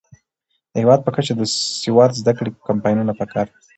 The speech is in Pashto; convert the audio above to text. د هیواد په کچه د سواد زده کړې کمپاینونه پکار دي.